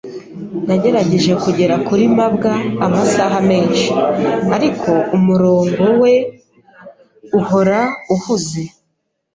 Nagerageje kugera kuri mabwa amasaha menshi, ariko umurongo we uhora uhuze.